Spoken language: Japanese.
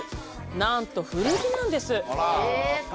なんと古着なんです！